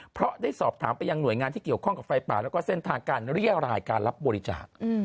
เพราะได้สอบถามไปยังหน่วยงานที่เกี่ยวข้องกับไฟป่าแล้วก็เส้นทางการเรียรายการรับบริจาค